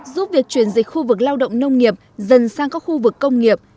giúp việc chuyển dịch khu vực lao động nông nghiệp dần sang các khu vực công nghiệp